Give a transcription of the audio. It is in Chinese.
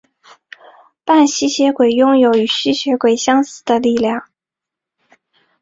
半吸血鬼拥有与吸血鬼相似的力量。